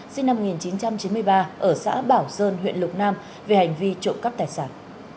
sinh năm một nghìn chín trăm chín mươi ba ở xã bảo sơn huyện lục nam về hành vi trộm cắp tài sản